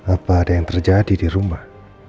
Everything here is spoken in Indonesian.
apa ada yang terjadi di rumah